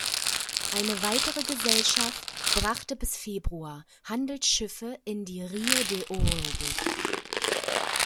Eine weitere Gesellschaft brachte bis Februar Handelsschiffe in die Rio de Oro-Bucht.